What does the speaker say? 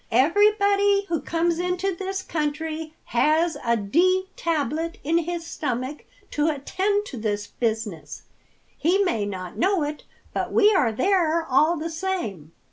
Everybody who comes into this country has a D. Tablet in his stomach to attend to this business. He may not know it, but we are there all the same.